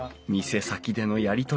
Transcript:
店先でのやり取り。